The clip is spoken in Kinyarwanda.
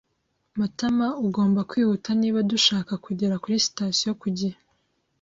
Matamaugomba kwihuta niba dushaka kugera kuri sitasiyo ku gihe.